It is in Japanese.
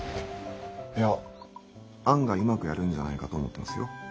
いや案外うまくやるんじゃないかと思ってますよ。